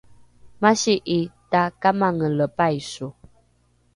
masi’i takamangele paiso